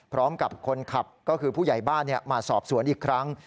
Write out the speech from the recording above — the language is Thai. พร้อมกับคนขับก็คือผู้ใหญ่บ้านมาสอบสวนอีกครั้ง